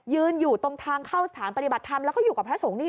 ยืนอยู่ตรงทางเข้าสถานปฏิบัติธรรมแล้วก็อยู่กับพระสงฆ์นี่